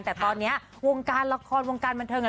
แต่ตอนนี้วงการละครวงการบันเทิง